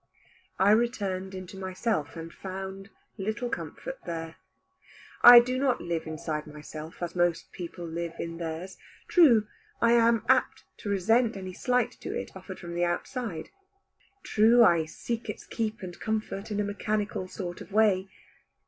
I returned into myself, and found little comfort there. I do not live inside myself, as most people live in theirs. True, I am apt to resent any slight to it offered from the outside. True, I seek its keep and comfort in a mechanical sort of way.